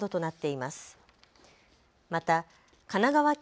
また神奈川県